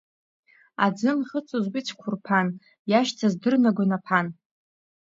Аӡы анхыҵуаз уи цәқәырԥан, иашьҭаз дырнагон аԥан.